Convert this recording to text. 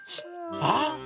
あっ！